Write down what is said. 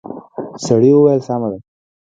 سړي وويل سمه ده.